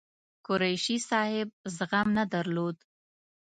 قریشي صاحب زغم نه درلود.